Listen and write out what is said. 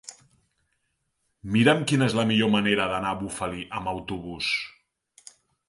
Mira'm quina és la millor manera d'anar a Bufali amb autobús.